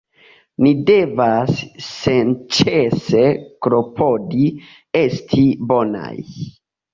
Ni devas senĉese klopodi esti bonaj.